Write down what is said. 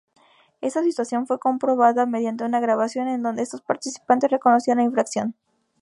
Esta situación fue comprobada mediante una grabación en donde estos participantes reconocían la infracción.